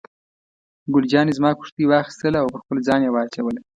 ګل جانې زما کورتۍ واخیستله او پر خپل ځان یې واچوله.